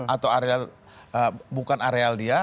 atau bukan areal dia